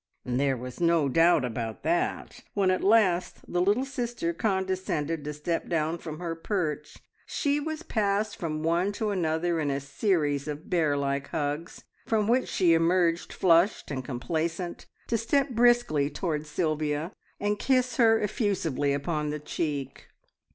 There was no doubt about that. When at last the little sister condescended to step down from her perch, she was passed from one to another in a series of bear like hugs, from which she emerged flushed and complacent, to step briskly towards Sylvia and kiss her effusively upon the cheek.